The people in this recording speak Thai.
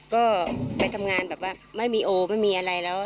ก็ไปทำงานแบบว่าไม่มีโอไม่มีอะไรแล้ว